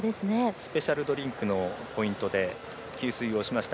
スペシャルドリンクのポイントで給水をしました。